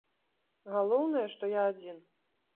Галоўнае, што я адзін.